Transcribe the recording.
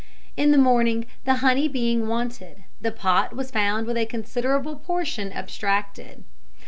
In the morning, the honey being wanted, the pot was found with a considerable portion abstracted.